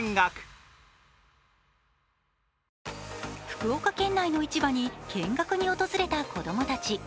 福岡県内の市場に見学に訪れた子供たち。